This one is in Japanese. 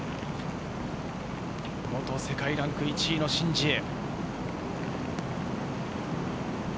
元世界ランク１位のシン・ジエ。